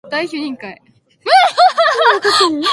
He later underwent exploratory surgery to try and solve the problem.